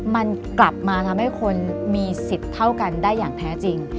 มันกลับมาทำให้คนมีสิทธิ์เท่ากันได้อย่างแท้จริง